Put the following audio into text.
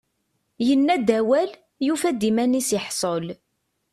Yenna-d awal, yufa-d iman-is iḥṣel.